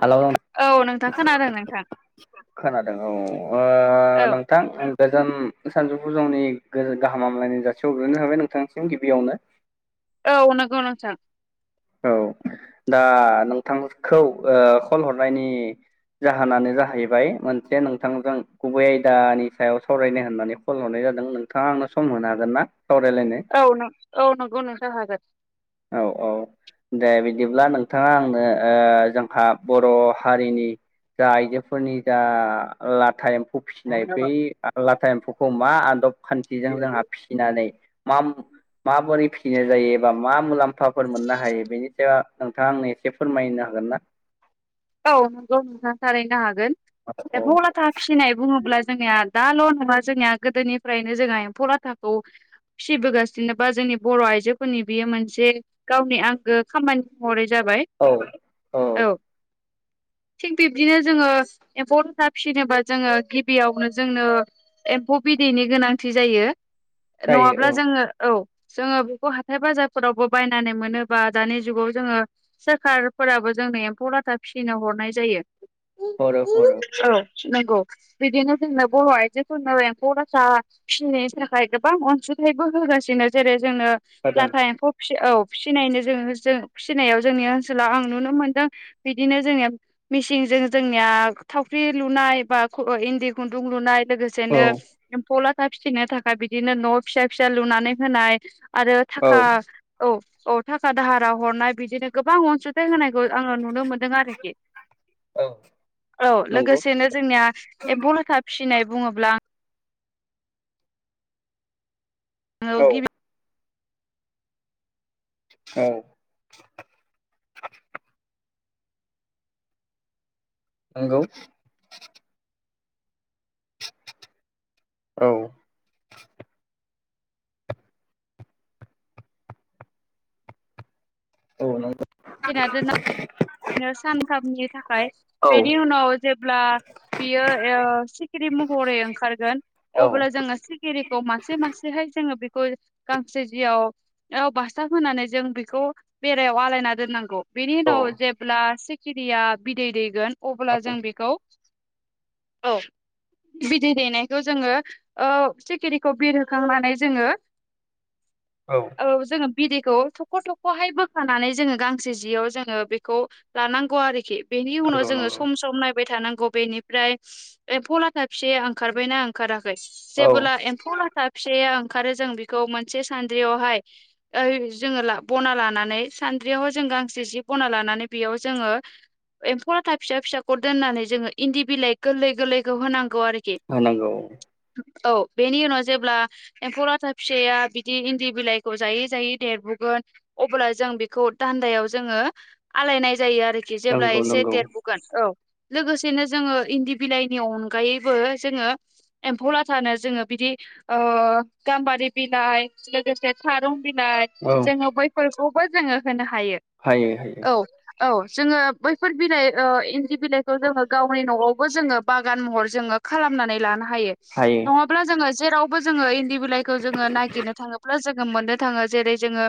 Hello औ नोंथां खोनादों नोंथां खोनादों औ ओ औ नोंथां गोजान सानजौफु समनि गाहाम हामलायनाय जासिहरग्रोनाय नोंथांनिसिम गिबियावनो औ नंगौ नोंथां औ दा नोंथांखौ ओ कल हरनायनि जाहोनानो जाहैबाय मोनसे नोंथांजों गुबै आयदानि सायाव सावरायनो होननानै खल हरनाय जादों नोंथाङा आंनो सम होनो हागोन ना सावरायलायनो औ औ नंगौ नोंथां हागोन औ औ दे बिदिब्ला नोंथाङा आंनो ओ जोंहा बर' हारिनि जा आइजोफोरनि जा लाटाइम फिसिनाय बै लाथा एम्फौखौ मा आदब खान्थिजों जोंहा फिसिनानै मा माबोरै फिसिनाय जायो एबा मा मुलाम्फाफोर मोननो हायो बेनि सायाव नोंथाङा आंनो एसे फोरमायनो हागोन ना औ नंगौ नोंथां थारैनो हागोन औ एम्फौ लाथा फिनाय बुङोब्ला जोंनिया दाल' नङा जोंनिया गोदोनिफ्रायनो जोंहा एम्फौ लाथाखौ फिसिबोगासिनो बा जोंनि बर' आइजोफोरनि बियो मोनसे गावनि आंगो खामानि महरै जाबाय औ औ थिग बिब्दिनो जोङो एम्फौ लाथा फिसिनोबा जोङो गिबियावनो जोंनो एम्फौ बिदैनि गोनांथि जायो जायो नङाब्ला औ जोङो औ जोङो बेखौ हाथाय बाजारफोरावबो बायनानै मोनोबा दानि जुगाव जोङो सोरखारफोराबो जोंनो एम्फौ लाथा फिसिनो हरनाय जायो [unintelligible] नंगौ बिदिनो जोंनो बर' आयजोफोरनो एम्फौ लाथा फिनायनि थाखाय गोबां अनसुं [unintelligible] होगासिनो जेरै जोंनो होदों लाथा एम्फौ फि औ फिनायनो जो जो फिसिनाय जोंनि ओनसोलाव आं नुनो मोनदों बिदिनो जोंनिया मेसिनजों जोंनिया थावख्रि लुना नाय बा खर' इन्दि खुन्दुं लुनाय लोगोसेनो औ एम्फौ लाथा फिसिनो थाखाय बिदिनो न' फिसा फिसा लुनानै होनाय आरो औ थाखा औ औ थाखा दाहारा हरनाय बिदिनो गोबां अनसुंथाइ होनायखौ आङो नुनो मोनदों आरोखि औ औ नंगौ लोगोसेनो जोंनिया एम्फौ लाथा फिसिनाय बुङोब्ला औ [unintelligible] औ नंगौ औ औ नंगौ [unintelligible] सानथामनि थाखाय औ बेनि उनाव जेब्ला बियो सिखिरि महरै ओंखारगोन अब्ला जोङो सिखिरिखौ मासे मासेहै जोङो बेखौ गांसे जियाव बास्थाब होनानै जों बेखौ बेरायाव आलायना दोननांगौ बेनि औ उनाव जेब्ला सिखिरिया बिदै दैगोन औ अब्ला जों बेखौ औ बिदै दैनायखौ जोङो सिखिरिखौ बिरहोखांनानै जोङो औ जोङो बिदैखौ थख' थख'हाय बोखानानै जोङो गांसे जियाव जोङो बेखौ लानांगौ आरोखि बेनि उनाव नंगौ जोङो नंगौ सम सम नायबाय थानांगौ बबेनिफ्राय एम्फौ लाथा फिसाया ओंखारबायना ओंखाराखै औ जेबोला एम्फौ लाथा फिसा फिसाया ओंखारो जों बेखौ मोनसे सान्द्रियावहाय जोङो बना लानानै सान्द्रियाव जों गांसे जि बना लानानै बेयाव जोङो एम्फौ लाथा फिसा फिसाखौ दोननानै जोङो इन्दि बिलाइ गोरलै गोरलैखौ होनांगौ आरोखि होनांगौ औ बेनि उनाव जेब्ला एम्फौ लाथा फिसाया बिदि इन्दि बिलाइखौ जायै जायै देरबोगोन अब्ला जों बेखौ दान्दायाव जोङो आलायनाय जायो आरोखि जेब्ला नंगौ एसे नंगौ देरबोगोन औ लोगोसेनो जोङो इन्दि बिलाइनि अनगायैबो जोङो एम्फौ लाथानो जोङो बिदि गाम्बारि बिलाइ लोगोसे थारुन औ जोङो बैफोरखौबो जोङो होनो हायो हायो औ औ जोङो बैफोर बिलाइ इन्दि बिलाइखौ जोङो गावनि न'आवबो जोङो बागान महर जोङो खालामनानै लानो हायो नङाब्ला जोङो जेरावबो जोङो इन्दि बिलाइखौ जोङो नागिरनो थाङोब्ला जोङो मोननो थाङो जेरै जोङो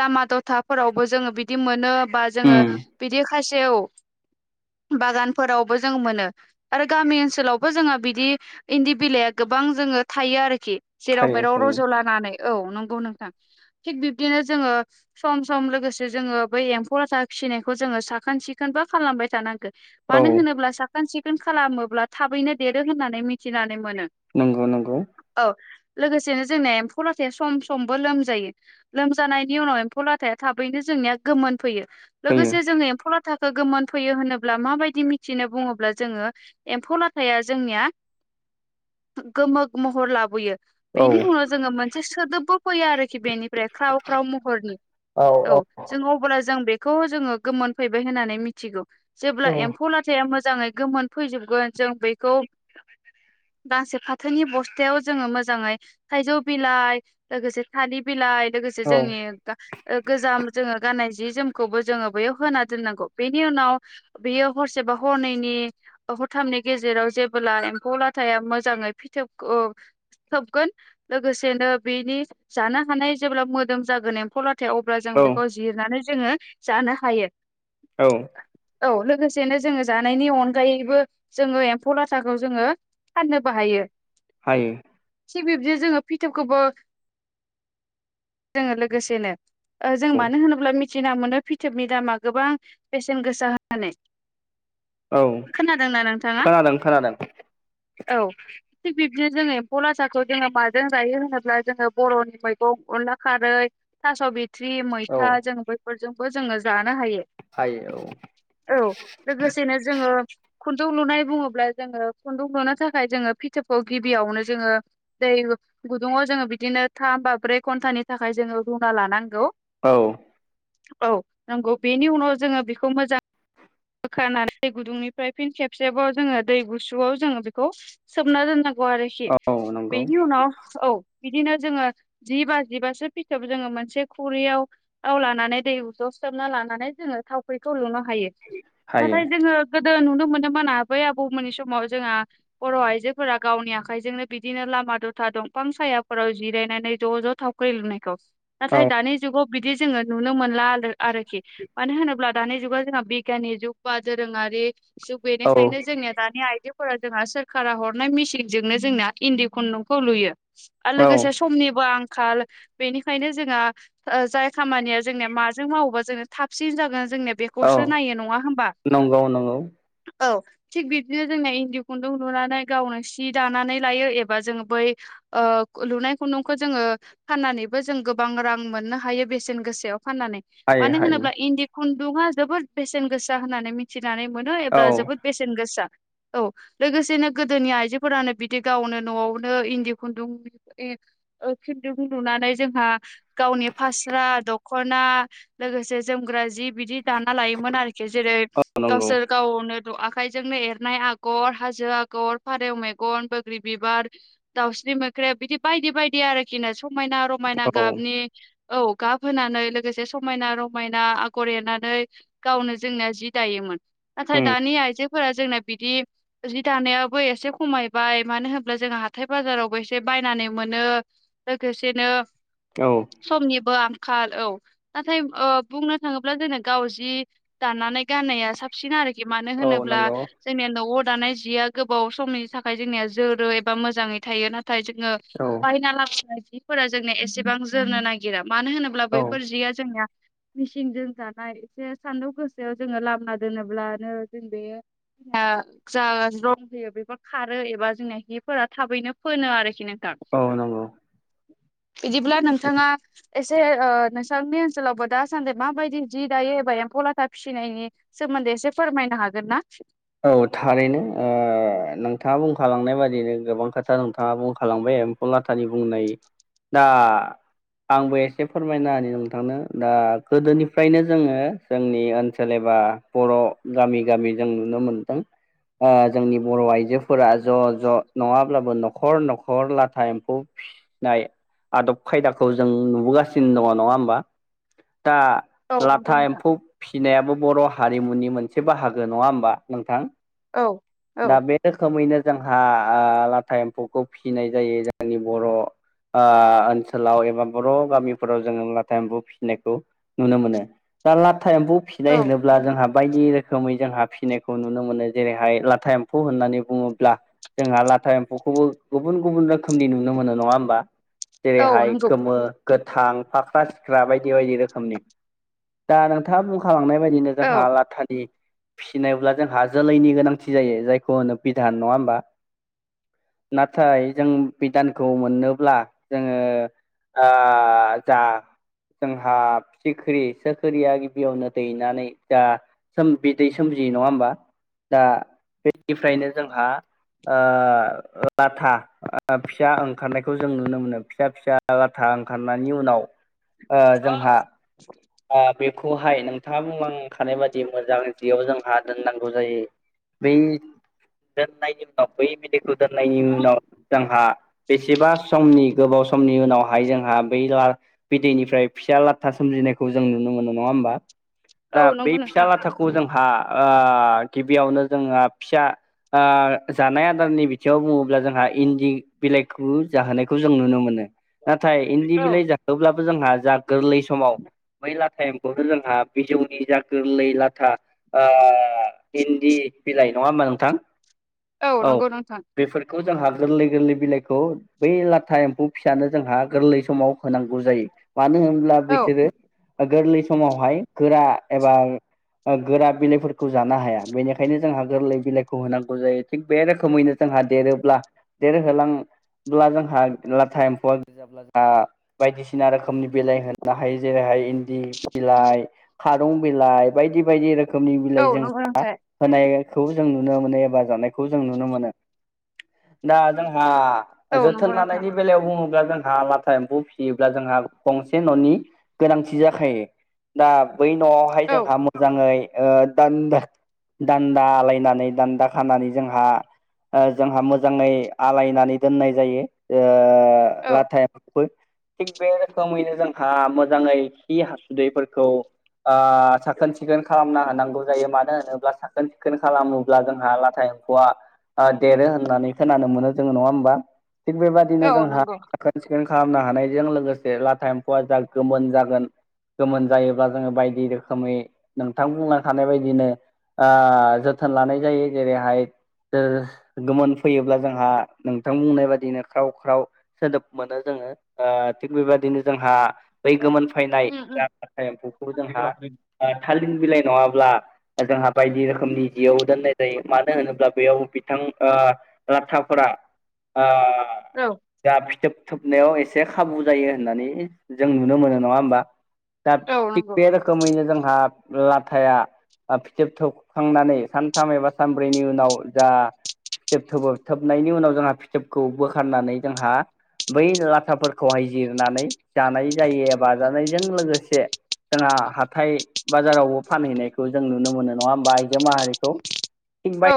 लामा द'थाफोरावबो जोङो बिदि मोनो बा जोङो उम बिदि खासे औ बागानफोरावबो जों मोनो आरो गामि ओनसोलावबो जोंहा बिदि इन्दि बिलाइआ गोब गोबां जोङो थायो आरोखि जेराव हायो मेराव हायो रज' लानानै औ नंगौ नोंथां थिग बिब्दिनो जोङो सम सम लोगोसे जोङो बै एम्फौ लाथा फिसिनायखौ जोङो साखोन सिखोन बा खालामबाय थानांगो औ मानो होनोब्ला साखोन सिखोन खालामोब्ला थाबैनो देरो होननानै मिथिनानै मोनो नंगौ नंगौ औ लोगोसेनो जोंनिया एम्फौ लाथाया सम समबो लोमजायो लोमजानायनि उनाव एम्फौ लाथाया थाबैनो जोंनिया गोमोन फैयो फैयो लोगोसे जोङो एम्फौ लाथा थाखो गोमोनफैयो होनोब्ला माबायदि मिथिनो बुङोब्ला जोङो एम्फौ लाथाया जोंनिया [inaudible] गोमो महर लाबोयो औ बेनि उनाव जोङो मोनसे सोदोबबो फैयो आरोखि बेनिफ्राय ख्राव ख्राव महरनि औ औ अब्ला जों बेखौ जोङो गोमोनफैबाय होननानै मिथिगौ जेब्ला एम्फौ लाथाया मोजां मोजाङै गोमोन फैजोबगोन जों बेखौ गांसे फाथोनि बस्थायाव जोङो मोजाङै थाइजौ बिलाइ लोगोसे थालिर बिलाइ लोगोसे औ जोंनि गोजाम जोङो गाननाय जि जोमखौबो जोङो बेयाव होना दोननांगौ बेनि उनाव बियो हरसेबा हरनैनि हरथामनि गेजेराव जेबोब्ला एम्फौ लाथाया मोजाङै फिथोब थोबगोन लोगोसेनो बेनि जानो हानाय जेब्ला मोदोम जागोन एम्फौ ला अब्ला जों औ बे नानै जोङो जानो हायो औ औ लोगोसेनो जोङो जानायनि अनगायैबो जोङो एम्फौ लाथाखौ जोङो फाननोबो हायो। हायो। थि बिब्दि जोङो फिथोबखौबो जोङो लोगोसेनो ओ जों औ मानो होनोब्ला मिथिना मोनो फिथोबनि दामा गोबां बेसेन गोसा होनानै। औ खोनादोंना नोंथाङा? खोनादों खोनादों औ थिग बिब्दिनो जोङो एम्फौ लाथाखौ जोङो माजों जायो होनोब्ला जोङो बर'नि मैगं अनला खारै, थास' बिथ्रि, औ मैथा जों बैफोरजोंबो जोङो जानो हायो। हायो औ औ लोगोसेनो जोङो खुन्दुं लुनाय बुङोब्ला जोङो खुन्दुं लुनो थाखाय जोङो फिथोबखौ गिबियावनो जोङो दै गुदुंङाव जोङो बिदिनो थाम बा ब्रै घन्टानि थाखाय जोङो रुना लानांगौ। औ औ नंगौ। बेनि उनाव जोङो बेखौ मोजां बोखारनानै दै गुदुंनिफ्राय फिन खेबसेबाव जोङो दै गुसुआव जोङो बेखौ सोमना दोननां गौ आरोखि औ नंगौ बेनि उनाव औ। बिदिनो जोङो जि बाजिबासो फिथोब जोङो मोनसे खुरैयाव आव लानानै दै जस फुसाबना लानानै जोङो थावख्रिखौ लुनो हायो। हायो नाथाय जोङो गो दो नुनो मोनो मोन आबै आबौमोननि समाव जोंहा बर' आइजोफोरा गावनि आखाइजोंनो बिदिनो लाब मा द'था दंफां सायाफोराव जिरायनानै ज' ज' थावख्रि लुनायखौ। औ नाथाय दानि जुगाव बिदि जोङो नुनो मोनला आलो आरोखि। मानो होनोब्ला दानि जुगाव जोंहा बिग गियानि जुग बा दोरोङारि जुग औ बेनिखायनो जोंनिया दानिया आइजो फोरा जोंहा सोरखारा हरनाय मिसिंजोंनो जोंना इन्दि खुन्दुंखौ लुयो। आ लोगोसे औ समनिबो आं खाल बेनिखायनो जोंआ ओ जाय खामानिया जोंनिया माजों मावोबा जों थाबसिन जागोन जोंनिया औ बेखौसो नायो। नङा होमबा? नंगौ नंगौ औ थिग बिब्दिनो जोंना इन्दि खुन्दुं लुनानै गावनो सि दानानै लायो एबा जोङो बै ओ लुनाय खुन्दुंखौ जोङो फाननानैबो जों गोबां रां मोननो हायो बेसेन गोसायाव फाननानै। हायो मानो हायो होनोब्ला इन्दि खुन्दुंङा जोबोद बेसेन गोसा होननानै मिथि जानाय मोनो औ एबा जोबोद बेसेन गोसा। औ लोगोसेनो गोदोनि आइजोफोरानो बिदि गावनो न'आवनो इन्दि खुन्दुं [unintelligible] ओ खिन्दुं नुनानै जोंहा गावनि फास्रा दख'ना लोगोसे जोमग्रा जि बिदि ना लायोमोन आरोखि जेरै औ नंगौ गावसोर गावनो र' आखायजोंनो एरनाय आगर हाजो आगर, फारेव मेगन, बोग्रि बिबार, दाउस स्रि मोख्रेब बिदि बायदि बायदि आरोखि नो समायना रमायना औ गाबनि औ गाब होनानै लोगोसे समायना रमायना आगर एरनानै गावनो जोंनिया जि दायोमोन नाथाय उम दानि आइजो फोरा जोंना बिदि जि दानायाबो एसे खमायबाय। मानो होब्ला जोंहा हाथाय बाजारावबो एसे बा बायनानै मोनो। लोगोसेनो औ समनिबो आंखाल औ नाथाय ओ बुंनो थाङोब्ला जेनो गावस बिदि दाननानै गाननाया साबसिन आरोखि मानो औ होनोब्ला नंगौ जोंनिया न' दानाय जिया गोबाव समनि थाखाय जोंनिया जोरो एबा मोजाङै थायो नाथाय थाय जोङो औ बायना लाबोनाय जिफोरा जोंनिया एसेबां जोरनो नागिरा। मानो होनोब्ला औ बैफोर जिया जोंनिया मिसिंजों दानाय। जे सानदुं गोसायाव जोङो लामना दोनोब्लानो जों बेयो जा रं होयो बेफोर खारो एबा जोंनिया हिफोरा थाबैनो फोनो आरोखि नों औ नंगौ। बिदिब्ला नोंथाङा एसे ओ नोंसांनि ओनसोलावबो दासान्दि माबायदि जि जायो एबा एम्फौ लाथा फिसिनायनि सोमोन्दै एसे फोरमायनो हागोन ना? औ थारैनो ओ नोंथाङा बुंखालांनाय बादिनो गोबां खोथा नोंथाङा बुंखालांबाय। एम्फौ लाथानि बुंनाय दा आंबो एसे फोरमायना होनि नोंथांनो दा गोदोनिफ्रायनो जोङो जोंनि ओनसोल ए बर' गामि गामि जों ननो जोंनि बर' आइजोफोरा ज' ज' नङाब्लाबो न'खर न'खर लाथा एम्फौ फिसिनाय आदब खायदाखौ जों नुबोगासिनो दङ नङा होमबा दा औ नंगौ लाथा नोंथां। एम्फौ फिसिनायाबो बर' हारिमुनि मोनसे बाहागो नङा होमबा नोंथां औ औ दा बे रोखोमैनो जोंहा लाथा एम्फौखौ फिसिनाय जायो जोंनि बर' ओनसोलाव एबा बर' गामिफोराव जोङो लाथा एमफु फिसिनायखौ नुनो मोनो दा ला एम्फौ फिनाय औ होनोब्ला जोंहा बायदि रोखोमै जोंहा फिसिनायखौ नुनो मोनो जेरैहाय ला लाथा एम्फौ होननानै बुङोब्ला जोंहा लाथा एम्फौखौबो गुबुन गुबुन रोखोमनि नुनो मोनो नङा होमबा औ जेरैहाय नंगौ गोमो गोथां फाख्रा सिख्रा बायदि बायदि रोखोमनि दा नोंथाङा बुंखालांनाय बायदिनो औ जोंहा लाथानि फिसिनायब्ला जोंहा जोलैनि गोनां थि जायो जायखौ होनो बिधान नङा होमबा नाथाय जों बि दानखौ मोननोब्ला जोङो आ आ जा जोंहा सिखिरि सिख्रििया गिबियावनो दैनानै जाोम बिदै सोमि जि नङा होमबा दा बेनिफ्रायनो जोंहा लाथा फिसा ओंखारनायखौ जों नुनो मोनो फिसा फिसा लाथा रांखारनायनि उनाव ओ ह जोंहा बेखौहाय नोंथाङा बुंलांखानाय बाददि मोजां जियाव जोंहा जायो बै दनायनि उनाव ब दोननायनि उनाव जोंहा बेसेबा समनि गोबाव समनि उनावहाय जोंहा बै बिदैनिफ्राय फिसा लाथा सोमजिनायखौ खौ जों नुनो मोनो नङा होमबा औ दा बै नंगौ फिसा नोंथां लाथाखौ जोंहा गिबियावनो जोङो फिसा जानाय आदारनि बिथिङाव बुङोब्ला जोंहा इन्दि बिलाइखौ जाहोनायखौ जों नुनो मोनो नाथाय इन्दि बिलाइ जाखोब्लाबो जोंहा जा गोरलै समाव बै लाथा एमखौनो जोंहा बिजौनि जा गोरलै लाथा इन्दि बिलाइ नङा हा नोंथां औ नंगौ नोंथां बेफोरखौ जोंहा गोरलै गोरलै बिनाय बै लाथा एम्फौ फिसानो जोंहा गोरलै समाव होनांगौ जायो मानो होन्ला औ बिसोरो गोरलै समावहाय गोरा एबा गोरा बिलाइफोरखौ जानो हाया बेनिखायनो जोंहा गोरलै बिलाइखौ होनांगौ जायो थिग बे रोखोमैनो जों जोंहा देरोब्ला देरहोलां ब्ला जोंहा लाथा एम्फौआ गोजाब्ला जोंहा बायदिसिना रोखोमनि बेलाइ होनो हायो जेरैहाय इन्दि बिलाइ खारुं बिलाइ बायदि बायदि रोखोम रोखोमनि औ बिलाइ नंगौ जोंहा नोंथां होनायखौ जों नुनो मोनो एबा जानायखौ जों नुनो मोनो दा जोंहा औ नंगौ जोथोन नोंथां लानायनि बेलायाव बुङोब्ला जोंहा लाथा एम्फौ फिसियोब्ला जोंहा गंसे न'नि गोनांथि जाखायो दा बै न'आवहाय औ जोंहा मोजाङै दानद दान्दालायनानै दान्दा खानानै जोंहा जोंहा मोजाङै आलायनानै दोननाय जायो औ लाथायो थिग बे रोखोमैनो जोंहा मोजाङै हासुदैफोरखौ साखोन सिखोन खालाम नांगौ जायो मानो होनोब्ला साखोन सिखोन खालामोब्ला जोंहा लाथा एम्फौआ ओ देरो होननानै खोनानो मोनो जोङो नङा होमबा थिग बेबादिनो औ जोंहा नंगौ साखोन सिखोन खालामनो हानायजों लोगोसे लाटा एम्फौआ जा गोमोन जागोन गोमोन जायोब्ला जोङो बायदि रोखोमै नोंथां बुंलां खानाय बायदिनो ओ जोथोन लानाय जायो जेरैहाय ओ गोमोन फैयोब्ला जोंहा नोंथां बुंनाय बादिनो ख्राव ख्राव सोदोब मोनो जों ओ थिग बेबायदिनो जोंहा बै गोमोन फैना उम उम एम्फौखौ जोंहा थालिर बिलाइ नङाब्ला जोंहा बायदि रो रोखोमनि जियाव दोननाय जायो मानो होनोब्ला बेयाव बिथां ओ राथाफोरा ओ औ जा फिथोब थोबनायाव एसे खाबु जायो होननानै जों नुनो मोनो नङा होमबा दा औ थिग नंगौ बे रोखोमैनो जोंहा लाथाया फिथोब थोबखांनानै सानथाम एबा सानब्रैनि उनाव जा फिथोब थोबो थोबनायनि उनाव जोंहा फिथोबखौ बोखारनानै जोंहा बै लाथाफोरखौहाय जिरनानै जानाय जायो बाजानायजों लोगोसे जोंहा हाथाय बाजारावबो फानहैनायखौ जों नुनो मोनो नङा होमबा आइजो माहारिखौ थिग औ बाय